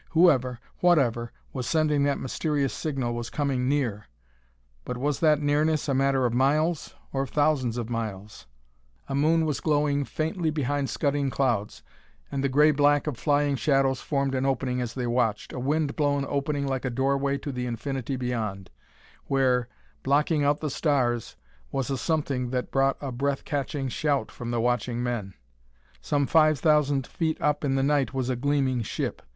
Whoever whatever was sending that mysterious signal was coming near but was that nearness a matter of miles or of thousands of miles? They stared at the stormy night sky above. A moon was glowing faintly behind scudding clouds, and the gray black of flying shadows formed an opening as they watched, a wind blown opening like a doorway to the infinity beyond, where, blocking out the stars, was a something that brought a breath catching shout from the watching men. Some five thousand feet up in the night was a gleaming ship.